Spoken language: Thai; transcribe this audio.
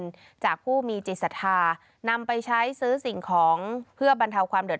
ทรงมีลายพระราชกระแสรับสู่ภาคใต้